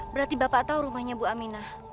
berarti bapak tahu rumahnya bu aminah